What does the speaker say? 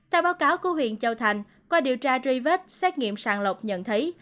tại báo cáo của huyện châu thành qua điều tra tri vết xét nghiệm sàng lọc nhận thấy